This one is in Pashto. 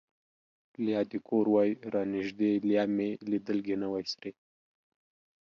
لیا دې کور وای را نژدې ـ لیا مې لیدلګې نه وای سرې